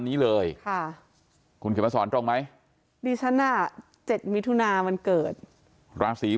นี้เลยค่ะคุณเขียนมาสอนตรงไหมดิฉันน่ะ๗มิถุนาวันเกิดราศี